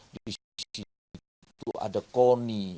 di situ ada kony